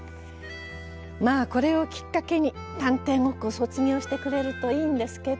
まあこれをきっかけに探偵ごっこを卒業してくれるといいんですけど。